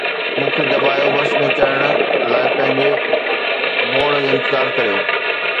مون کي دٻايو، بس ۾ چڙهڻ لاءِ پنهنجي موڙ جو انتظار ڪريو